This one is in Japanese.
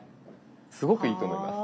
すごくいいと思います。